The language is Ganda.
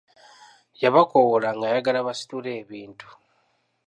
Yabakoowoola ng'ayagala basitule ebintu.